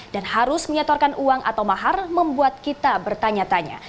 dan harus menyatorkan uang atau mahar membuat kita bertanya tanya